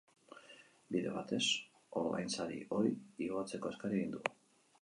Bide batez, ordainsari hori igotzeko eskaria egin du.